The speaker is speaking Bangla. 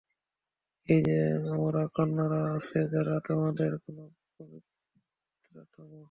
এই যে আমার কন্যারা আছে যারা তোমাদের জন্যে পবিত্রতম।